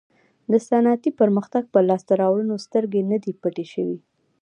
د صنعتي پرمختګ پر لاسته راوړنو سترګې نه دي پټې شوې.